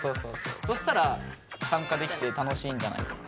そしたらさんかできて楽しいんじゃないかな。